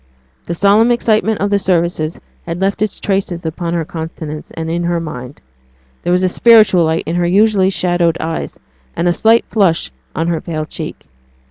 The solemn excitement of the services had left its traces upon her countenance and in her mind. There was a spiritual light in her usually shadowed eyes, and a slight flush on her pale cheek.